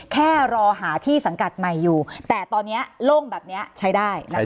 แค่รอหาที่สังกัดใหม่อยู่แต่ตอนนี้โล่งแบบนี้ใช้ได้นะคะ